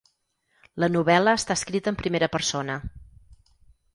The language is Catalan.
La novel·la està escrita en primera persona.